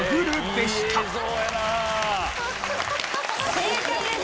正解です。